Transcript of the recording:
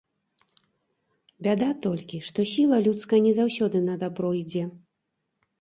Бяда толькі, што сіла людская не заўсёды на дабро ідзе.